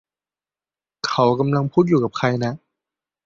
เขากำลังพูดอยู่กับใคร